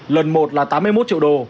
lần một là tám mươi một triệu đô